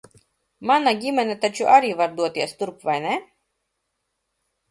Mana ģimene taču arī var doties turp, vai ne?